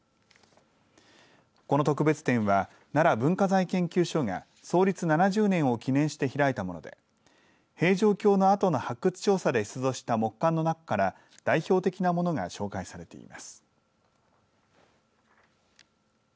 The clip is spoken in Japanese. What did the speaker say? この特別展は奈良文化財研究所が創立７０年を記念して開いたもので平城京の跡の発掘調査で出土した木簡の中から代表的なものが紹介されています。